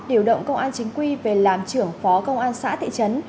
điều động công an chính quy về làm trưởng phó công an xã thị trấn